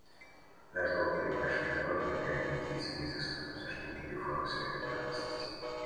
Наш долг перед нашими народами — преодолеть длительный застой в обсуждении реформы Совета Безопасности.